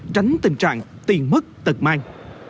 tránh tình trạng tiền mất tận mang